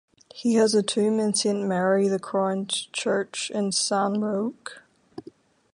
He has a tomb in Saint Mary the Crowned Church in San Roque.